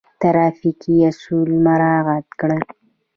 ټرافیکي اصول مراعات کړئ